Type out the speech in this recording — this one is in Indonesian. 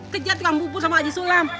kejar tukang bubur sama haji sulam